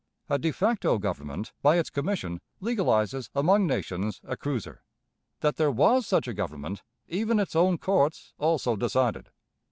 A de facto Government by its commission legalizes among nations a cruiser. That there was such a Government even its own courts also decided.